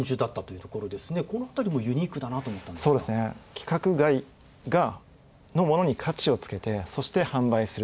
規格外のものに価値をつけてそして販売する。